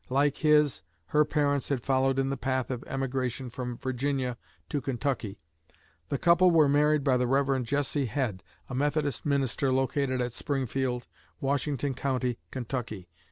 Like his, her parents had followed in the path of emigration from Virginia to Kentucky. The couple were married by the Rev. Jesse Head, a Methodist minister located at Springfield, Washington County, Kentucky.